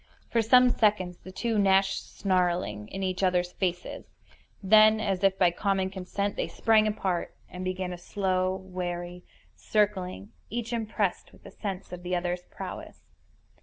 For some seconds the two gnashed snarling in each other's faces; then, as if by common consent, they sprang apart, and began a slow, wary circling, each impressed with a sense of the other's prowess.